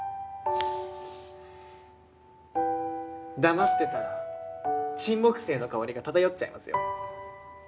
黙ってたらチンモクセイの香りが漂っちゃいますよ。